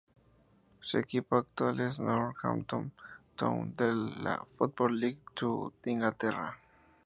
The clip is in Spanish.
Su equipo actual es el Northampton Town de la Football League Two de Inglaterra.